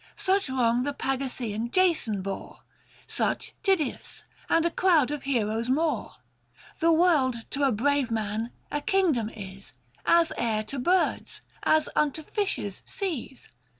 Such wrong the Pagassean Jason bore ; Such Tydeus ; aud a crowd of heroes more. 520 The world, to a brave man, a kingdom is — As air to birds, — as unto fishes seas.